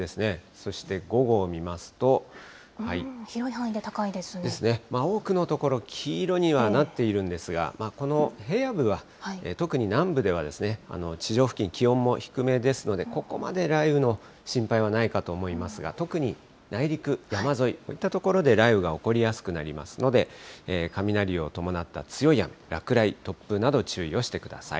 そして午後を見ますと。ですね。多くの所、黄色にはなっているんですが、この平野部は、特に南部ではですね、地上付近、気温も低めですので、ここまで雷雨の心配はないかと思いますが、特に内陸、山沿い、こういった所で雷雨が起こりやすくなりますので、雷を伴った強い雨、落雷、突風など、注意をしてください。